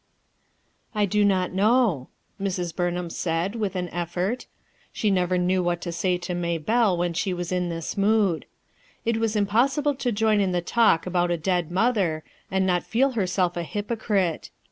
*I do not know," Mrs. Burnham said, with an effort. She never knew what to say to Maybelle when she was in this mood. It was impossible to join in the talk about a dead mother and not feel herself a hypocrite.